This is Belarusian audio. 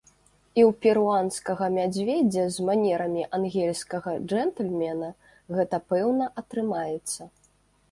І ў перуанскага мядзведзя з манерамі ангельскага джэнтльмена гэта пэўна атрымаецца!